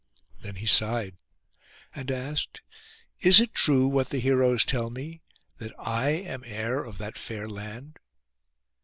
Then he sighed, and asked, 'Is it true what the heroes tell me—that I am heir of that fair land?